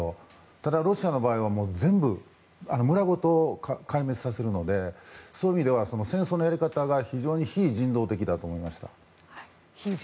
ただ、ロシアの場合は全部村ごと壊滅させるのでそういう意味では戦争のやり方が非常に非人道的だと思いました。